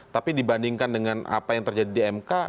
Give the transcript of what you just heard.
tapi dibandingkan dengan apa yang terjadi di mk